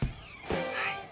はい。